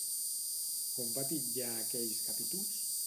Com va titllar aquells capítols?